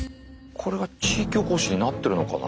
これが地域おこしになってるのかな。